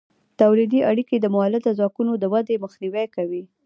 تولیدي اړیکې د مؤلده ځواکونو د ودې مخنیوی کوي.